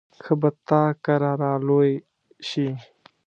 ښه به تا کره را لوی شي.